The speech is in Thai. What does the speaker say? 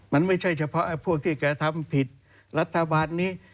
มันไม่ใช่เฉพาะพวกที่แกทำผิดรัฐบาลนี้